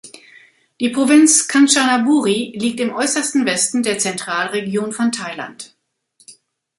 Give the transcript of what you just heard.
Die Provinz Kanchanaburi liegt im äußersten Westen der Zentralregion von Thailand.